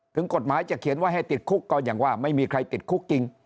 ถึงกฎหมายจะเขียนไว้ให้ติดคุกก็อย่างว่าไม่มีใครติดคุกจริง